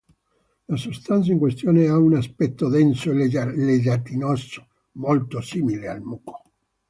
La sostanza in questione ha un aspetto denso e gelatinoso, molto simile al muco.